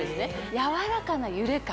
やわらかな揺れ感